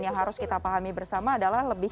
yang harus kita pahami bersama adalah lebih